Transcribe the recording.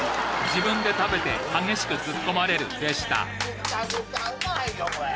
むちゃくちゃうまいよこれ！